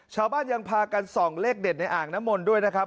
ชาวบ้านยังพากันส่องเลขเด็ดในอ่างน้ำมนต์ด้วยนะครับ